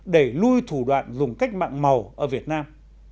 để lui thủ đoạn dùng cách mạng màu ở việt nam